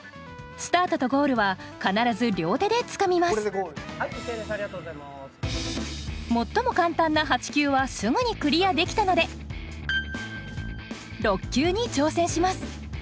スタートとゴールは必ず両手でつかみます最も簡単な８級はすぐにクリアできたので６級に挑戦します。